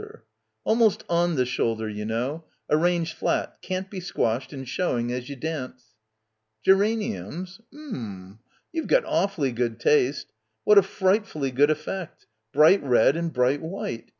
4 8 BACKWATER "Almost on the shoulder, you know — arranged flat, can't be squashed and showing as you dance." "Geraniums! Oom. You've got awfully good taste. What a frightfully good effect. Bright red and bright white.